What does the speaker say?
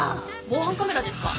防犯カメラですか？